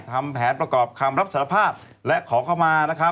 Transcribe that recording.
ทำแผนประกอบคำรับสารภาพและขอเข้ามานะครับ